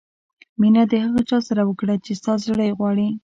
مینه د هغه چا سره وکړه چې ستا زړه یې غواړي.